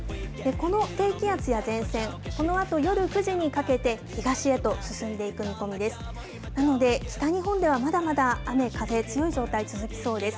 この低気圧や前線、このあと夜９時にかけて、東へと進んでいく見込みです。